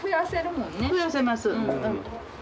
増やせます。